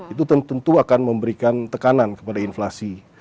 itu tentu akan memberikan tekanan kepada inflasi